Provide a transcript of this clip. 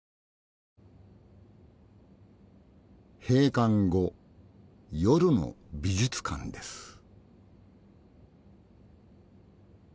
閉館後夜の美術館です。